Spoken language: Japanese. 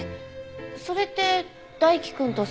それって大樹くんと菫さん？